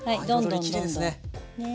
きれいですね。